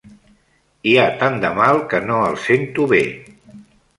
Hi ha tant de mal que no el sento bé.